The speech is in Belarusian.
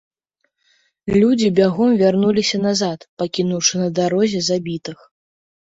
Людзі бягом вярнуліся назад, пакінуўшы на дарозе забітых.